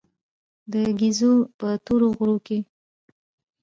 د ګېزو په تورو غرو کې.